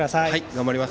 頑張ります。